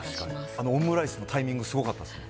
あのオムライスのタイミング、すごかったですね。